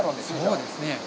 そうですね。